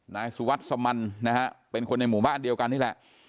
นายสุวัสดิ์สมันนะฮะเป็นคนในหมู่บ้านเดียวกันนี่แหละ